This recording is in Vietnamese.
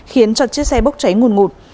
khiến cho chiếc xe bốc cháy nguồn ngụt